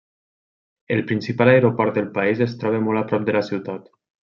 El principal aeroport del país es troba molt a prop de la ciutat.